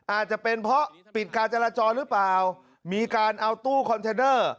อาจจะเป็นเพราะปิดการจราจรหรือเปล่ามีการเอาตู้คอนเทนเนอร์